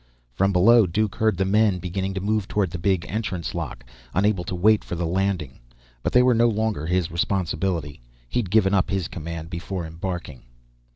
From below, Duke heard the men beginning to move toward the big entrance lock, unable to wait for the landing. But they were no longer his responsibility. He'd given up his command before embarking.